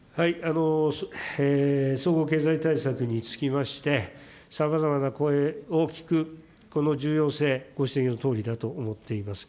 総合経済対策につきまして、さまざまな声を聞く、この重要性、ご指摘のとおりだと思っています。